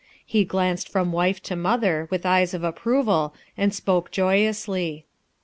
He glanced from wife to mother with eyes of approval and spoke joyously.